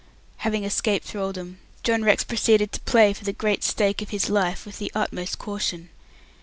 Having escaped thraldom, John Rex proceeded to play for the great stake of his life with the utmost caution.